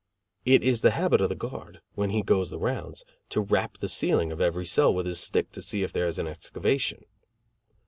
It is the habit of the guard, when he goes the rounds, to rap the ceiling of every cell with his stick, to see if there is an excavation.